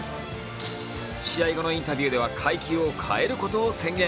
試合後のインタビューでは階級を変えることを宣言。